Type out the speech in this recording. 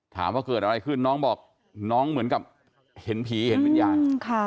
ถามว่าเกิดอะไรขึ้นน้องบอกน้องเหมือนกับเห็นผีเห็นวิญญาณ